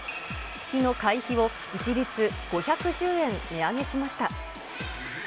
月の会費を一律５１０円値上げしました。